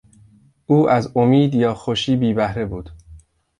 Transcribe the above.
او از امید یا خوشی بی بهره بود.